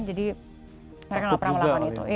jadi mereka gak pernah melakukan itu